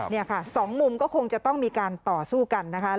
นี่ค่ะสองมุมก็คงจะต้องมีการต่อสู้กันนะคะ